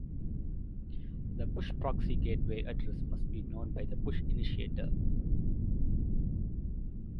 The push proxy gateway address must be known by the Push Initiator.